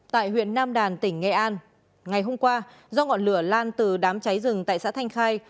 tại huyện nam đàn tỉnh nghệ an ngày hôm qua do ngọn lửa lan từ đám cháy rừng tại xã thanh khai